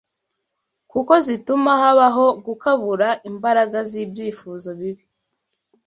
kuko zituma habaho gukabura imbaraga z’ibyifuzo bibi